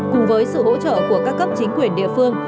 cùng với sự hỗ trợ của các cấp chính quyền địa phương